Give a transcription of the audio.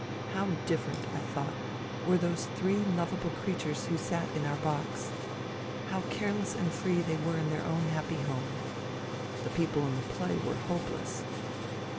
How different, I thought, were those three lovable creatures who sat in our box. How careless and free they were in their own happy home. The people in the play were hopeless.